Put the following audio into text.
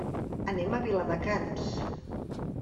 Anem a Viladecans.